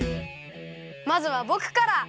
まずはぼくから！